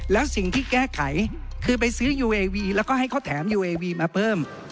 แล้วสิ่งที่แก้ไขคือไปซื้อยูเอวีแล้วก็ให้เขาแถมยูเอวีมาเพิ่ม